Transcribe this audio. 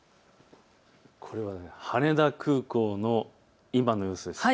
これは羽田空港の今の様子です。